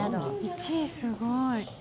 １位すごい。